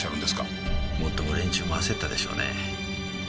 もっとも連中も焦ったでしょうね。